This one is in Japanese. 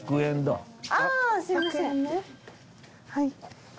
はい。